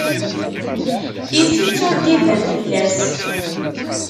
Itett ur d-iban fell-as.